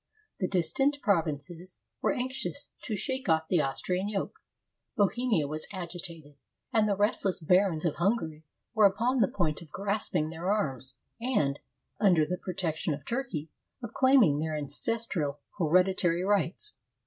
The distant provinces were anxious to shake ol^f the Austrian yoke. Bohemia was agitated ; and the restless barons of Hun gary were upon the point of grasping their arms, and, under the protection of Turkey, of claiming their ancestral heredi tary rights.